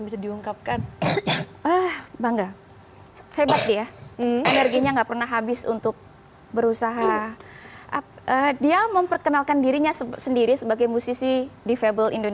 jangan pernah berhenti